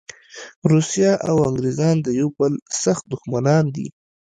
روسیه او انګریزان د یوه بل سخت دښمنان دي.